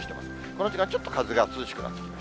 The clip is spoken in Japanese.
この時間、ちょっと風が涼しくなってきました。